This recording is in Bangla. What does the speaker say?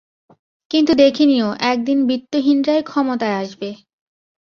কিন্তু দেখে নিও, একদিন বিত্তহীনরাই ক্ষমতায় আসবে।